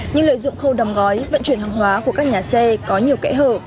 nhưng lợi dụng khâu đầm gói vận chuyển hàng hóa của các nhà xe có nhiều kẽ hở